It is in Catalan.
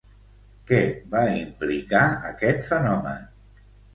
Què va implicar aquest fenomen?